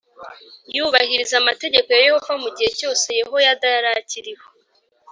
yubahiriza amategeko ya Yehova mu gihe cyose Yehoyada yari akiriho